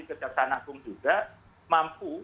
kejaksaan agung juga mampu